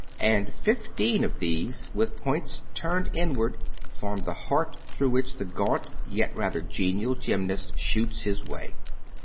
And fifteen of these, with points turned inward, form the heart through which this gaunt yet rather genial gymnast shoots his way.